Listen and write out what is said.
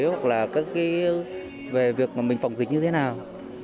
hoặc là về việc mình phòng dịch như thế nào